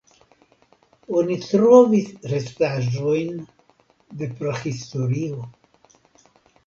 Oni trovis restaĵojn de prahistorio.